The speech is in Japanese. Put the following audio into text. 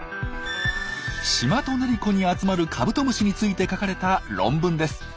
シマトネリコに集まるカブトムシについて書かれた論文です。